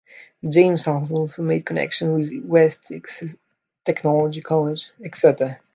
James has also made connections with West Exe Technology College, Exeter.